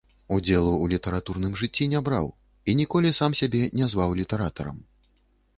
Удзелу ў літаратурным жыцці не браў і ніколі сам сябе не зваў літаратарам.